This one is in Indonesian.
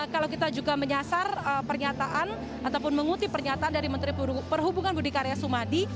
kalau kita juga menyasar pernyataan ataupun mengutip pernyataan dari menteri perhubungan budi karya sumadi